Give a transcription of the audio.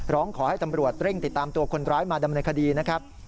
ร้องขอให้ตำรวจเร่งติดตามตัวคนร้ายมาดำเนินคดีนะครับ